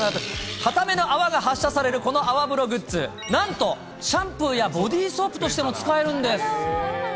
硬めの泡が発射される、この泡風呂グッズ、なんとシャンプーやボディーソープとしても使えるんです。